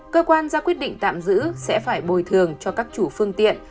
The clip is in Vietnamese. cơ quan ra quyết định tạm giữ sẽ phải bồi thường cho các chủ phương tiện